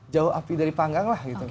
jauh api dari panggang lah gitu